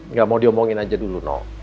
nggak mau diomongin aja dulu no